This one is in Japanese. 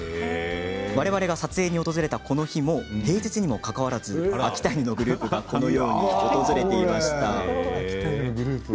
われわれが撮影に訪れたこの日も平日にもかかわらず秋田犬のグループが訪れていました。